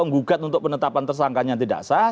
menggugat untuk penetapan tersangkanya tidak sah